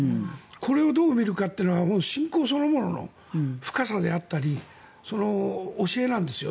これをどう見るかってのは信仰そのものの深さであったり教えなんですよ。